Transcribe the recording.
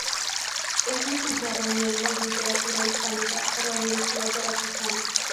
Es licenciado en Lengua y Literatura Hispánicas por la Universidad Veracruzana.